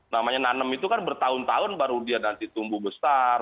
namanya nanem itu kan bertahun tahun baru dia nanti tumbuh besar